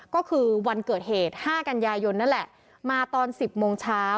ก็คือวันเกิดเหตุ๕กันยายนนั่นแหละมาตอน๑๐โมงเช้า